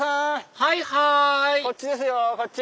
はいはいこっちですよ。